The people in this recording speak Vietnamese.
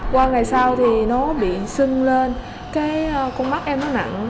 qua ngày sau thì nó bị sưng lên cái con mắt em nó nặng